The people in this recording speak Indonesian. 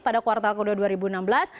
pada kuartal kedua dua ribu enam belas